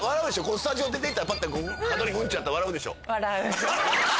スタジオ出てきたらパッて角にうんちあったら笑うでしょ